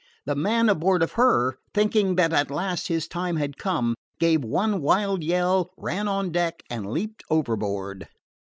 The man aboard of her, thinking that at last his time had come, gave one wild yell, ran on deck, and leaped overboard.